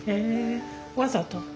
へえわざと？